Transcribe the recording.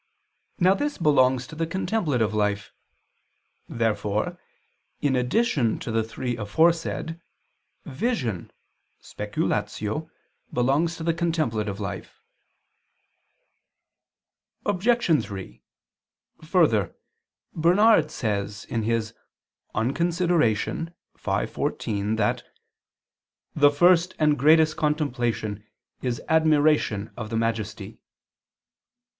']." Now this belongs to the contemplative life. Therefore in addition to the three aforesaid, vision (speculatio) belongs to the contemplative life. Obj. 3: Further, Bernard says (De Consid. v, 14) that "the first and greatest contemplation is admiration of the Majesty."